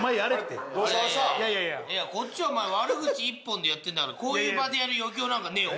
こっちはお前悪口一本でやってるんだからこういう場でやる余興なんかねえよ。